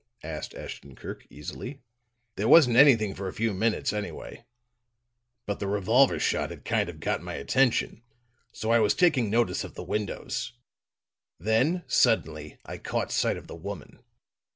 asked Ashton Kirk, easily. "There wasn't anything for a few minutes, anyway. But the revolver shot had kind of got my attention, so I was taking notice of the windows. Then suddenly I caught sight of the woman.